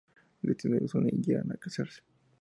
El destino los une y llegan a casarse.